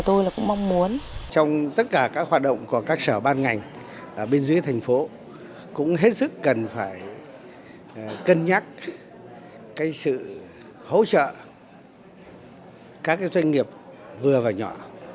ở bên dưới thành phố cũng hết sức cần phải cân nhắc sự hỗ trợ các doanh nghiệp vừa và nhỏ